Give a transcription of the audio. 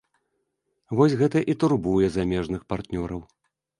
Вось гэта і турбуе замежных партнёраў.